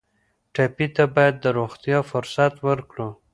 ټپي ته باید د روغتیا فرصت ورکړو.